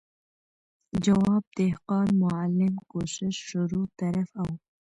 جواب، دهقان، معلم، کوشش، شروع، طرف او ...